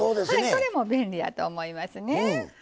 それも便利やと思いますね。